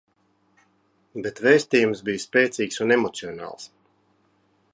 Bet vēstījums bija spēcīgs un emocionāls.